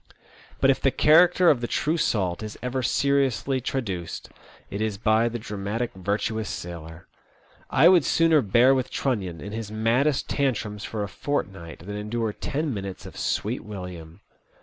But if the character of the true salt is ever seriously traduced, it is by the dramatic virtuous sailor. I would sooner bear with Trunnion in his maddest tantrums for a fortnight than endure ten minutes of Sweet William.